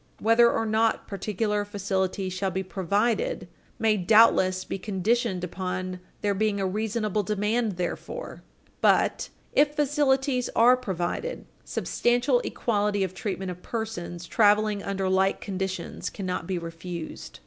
Whether or not particular facilities shall be provided may doubtless be conditioned upon there being a reasonable demand therefor, but, if facilities are provided, substantial equality of treatment of persons traveling under like conditions cannot be refused.